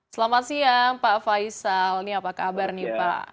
selamat siang pak faisal nih apa kabar nih pak